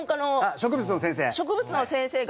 植物の先生が。